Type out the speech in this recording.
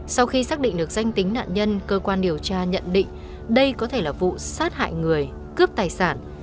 sau khi xác định được danh tính nạn nhân cơ quan điều tra nhận định đây có thể là vụ sát hại người cướp tài sản